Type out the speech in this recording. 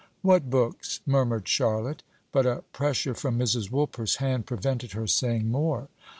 "What books?" murmured Charlotte. But a pressure from Mrs. Woolper's hand prevented her saying more.